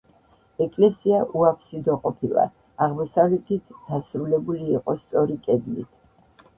ეკლესია უაფსიდო ყოფილა, აღმოსავლეთით დასრულებული იყო სწორი კედლით.